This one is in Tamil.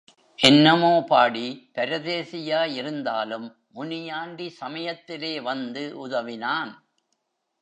என்னமோ பாடி பரதேசியா யிருந்தாலும் முனியாண்டி சமயத்திலே வந்து உதவினான்.